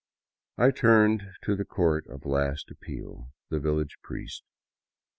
I turned to the court of last appeal, the village priest.